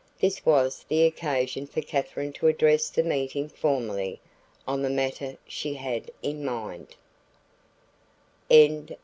This was the occasion for Katherine to address the meeting formally on the matter she had in mind.